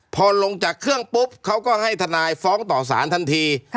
พอลงจากเครื่องปุ๊บเขาก็ให้ทนายฟ้องต่อสารทันที